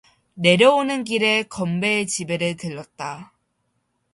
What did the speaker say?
내려오는 길에 건배의 집에를 들렀다.